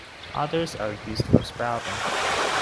Others are used for sprouting.